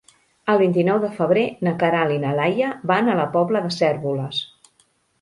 El vint-i-nou de febrer na Queralt i na Laia van a la Pobla de Cérvoles.